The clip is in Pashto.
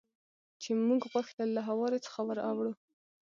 چې موږ غوښتل له هوارې څخه ور اوړو.